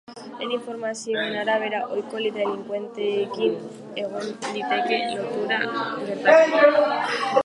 Lehen informazioen arabera, ohiko delinkuentziarekin egon liteke lotuta gertakaria.